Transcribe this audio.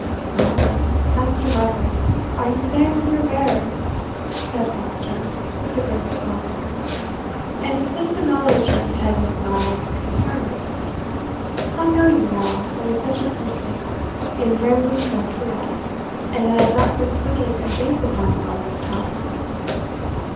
"Aha! Master Michael, are you there with your bears?" said Foster, with a grim smile; "and is this the knowledge you pretend of my concernments? How know you now there is such a person IN RERUM NATURA, and that I have not been putting a jape upon you all this time?"